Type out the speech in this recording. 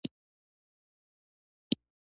دی په دې خپله خبره کې صادق وو، او ريښتیا يې ویل.